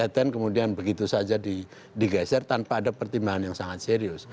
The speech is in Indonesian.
kemudian begitu saja digeser tanpa ada pertimbangan yang sangat serius